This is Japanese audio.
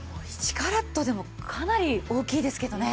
１カラットでもかなり大きいですけどね。